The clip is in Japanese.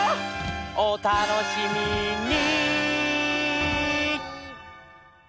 「おたのしみに！」